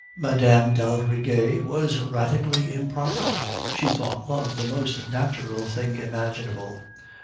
"Mme. d'Aldrigger was radically 'improper.' She thought love the most natural thing imaginable.